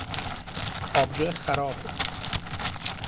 آبجو خراب